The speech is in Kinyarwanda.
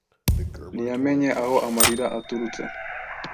Ntiyamenye aho amarira aturutse,